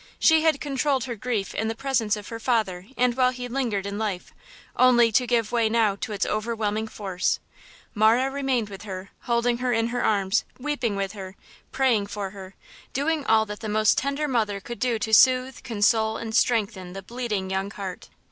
She had controlled her grief in the presence of her father and while he lingered in life, only to give way now to its overwhelming force. Marah remained with her, holding her in her arms, weeping with her, praying for her, doing all that the most tender mother could do to soothe, console and strengthen the bleeding young heart.